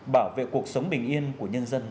bảo vệ cuộc sống bình yên của nhân dân